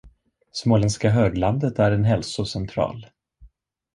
Småländska höglandet är en hälsocentral.